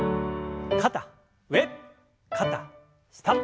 肩上肩下。